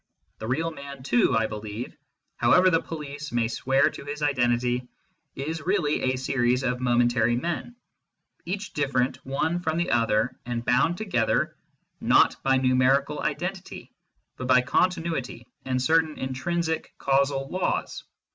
The real man too, I believe, however the police may swear to his identity, is really a series of momentary men, each different one from the other, and bound together, not by a numerical identity, but by continuity and certain intrinsic causal laws.